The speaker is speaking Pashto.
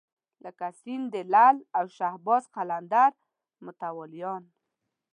لکه د سیند د لعل او شهباز قلندر متولیان.